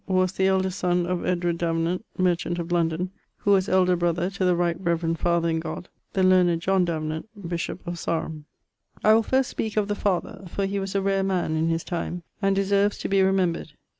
was the eldest son of Davenant, merchant of London, who was elder brother to the right reverend father in God, the learned John Davenant, bishop of Sarum. I will first speake of the father, for he was a rare man in his time, and deserves to be remembred.